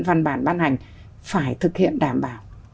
văn bản ban hành phải thực hiện đảm bảo